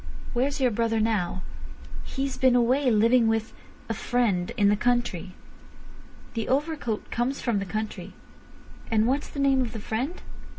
"Where's your brother now?" "He's been away living with—a friend—in the country." "The overcoat comes from the country. And what's the name of the friend?"